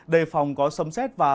đề phòng có sấm xét và áp thấp